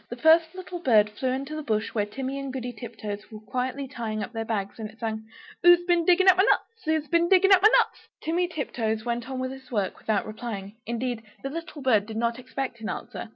The first little bird flew into the bush where Timmy and Goody Tiptoes were quietly tying up their bags, and it sang "Who's bin digging up my nuts? Who's been digging up my nuts?" Timmy Tiptoes went on with his work without replying; indeed, the little bird did not expect an answer.